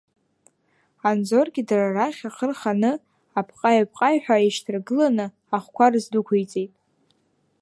Анзоргьы дара рахь ахы рханы апҟаҩ-апҟаҩҳәа еишьҭаргыланы ахқәа рыздәықәиҵеит.